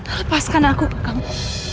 lepaskan aku kakamu